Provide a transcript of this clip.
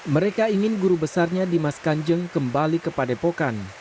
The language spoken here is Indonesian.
mereka ingin guru besarnya dimas kanjeng kembali ke padepokan